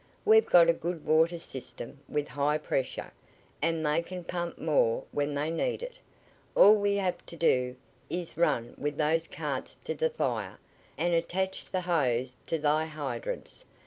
We've got a good water system, with high pressure, an' they can pump more when they need it. All we have t' do is run with those carts t' th' fire, an' attach th' hose t' th' hydrants.